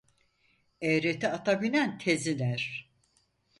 Eğreti ata binen tez iner.